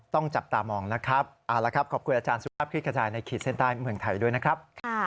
ต้องจับตามองนะครับเอาละครับขอบคุณอาจารย์สุภาพคลิกขจายในขีดเส้นใต้เมืองไทยด้วยนะครับ